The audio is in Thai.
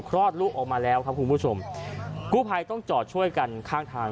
คลอดลูกออกมาแล้วครับคุณผู้ชมกู้ภัยต้องจอดช่วยกันข้างทาง